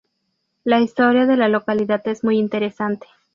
La historia de la localidad es muy interesante.